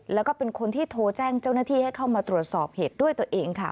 แล้วก็เป็นคนที่โทรแจ้งเจ้าหน้าที่ให้เข้ามาตรวจสอบเหตุด้วยตัวเองค่ะ